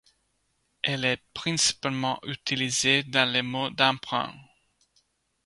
Elle est principalement utilisée dans les mots d’emprunts.